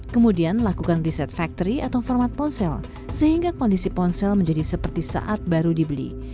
kemudian lakukan riset factory atau format ponsel sehingga kondisi ponsel menjadi seperti saat baru dibeli